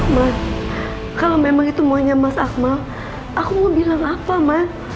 mas kalau memang itu maunya mas akmal aku mau bilang apa mas